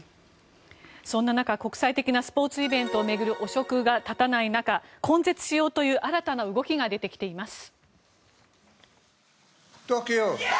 そんな中で国際的なスポーツイベントを巡る汚職が絶たない中根絶しようという新たな動きが出てきています。